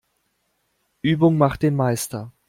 Übung macht den Meister.